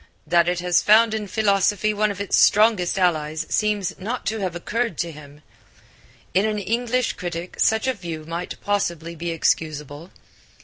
That it has found in philosophy one of its strongest allies seems not to have occurred to him. In an English critic such a view might possibly be excusable.